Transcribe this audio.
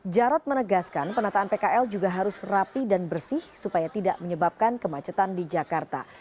jarod menegaskan penataan pkl juga harus rapi dan bersih supaya tidak menyebabkan kemacetan di jakarta